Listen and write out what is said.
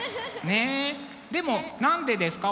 でも何でですか？